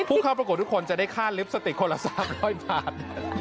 ผู้เข้าประกวดทุกคนจะได้ค่าลิปสติกคนละ๓๐๐บาท